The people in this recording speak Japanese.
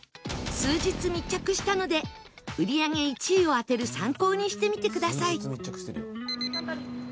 数日密着したので売り上げ１位を当てる参考にしてみてください